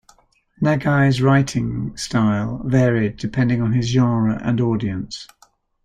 Nagai's writing style varied depending on his genre and audience.